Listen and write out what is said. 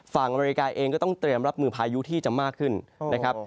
อเมริกาเองก็ต้องเตรียมรับมือพายุที่จะมากขึ้นนะครับ